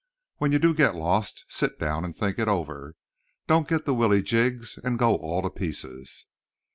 When you do get lost, sit down and think it over. Don't get the willyjigs and go all to pieces."